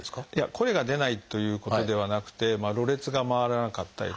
声が出ないということではなくてろれつが回らなかったりとかですね